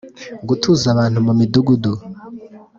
gutuza abantu mu midugudu